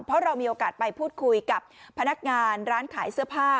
เพราะเรามีโอกาสไปพูดคุยกับพนักงานร้านขายเสื้อผ้า